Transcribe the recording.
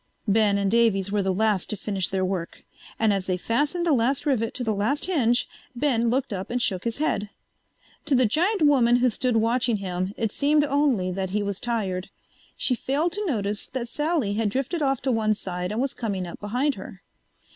Ben and Davies were the last to finish their work, and as they fastened the last rivet to the last hinge Ben looked up and shook his head. To the giant woman who stood watching him it seemed only that he was tired. She failed to notice that Sally had drifted off to one side and was coming up behind her.